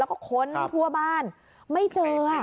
แล้วก็ค้นทั่วบ้านไม่เจอ